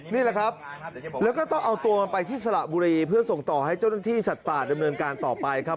นี่แหละครับแล้วก็ต้องเอาตัวมันไปที่สระบุรีเพื่อส่งต่อให้เจ้าหน้าที่สัตว์ป่าดำเนินการต่อไปครับ